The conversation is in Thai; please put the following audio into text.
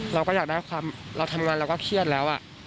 เราก็อยากได้ความเราทำงานเราก็เครียดแล้ว